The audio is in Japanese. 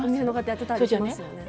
やってたりしますよね。